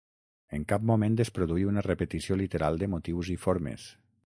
En cap moment es produí una repetició literal de motius i formes.